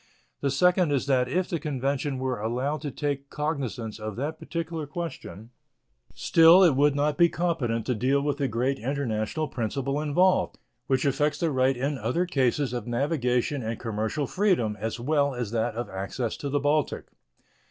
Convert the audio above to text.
The second is that if the convention were allowed to take cognizance of that particular question, still it would not be competent to deal with the great international principle involved, which affects the right in other cases of navigation and commercial freedom, as well as that of access to the Baltic.